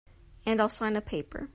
And I'll sign a paper.